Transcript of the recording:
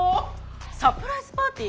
サプライズパーティー？